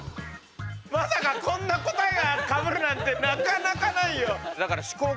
まさかこんな答えがかぶるなんてなかなかないよ！